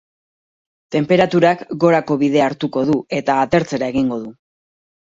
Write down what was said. Tenperaturak gorako bidea hartuko du, eta atertzera egingo du.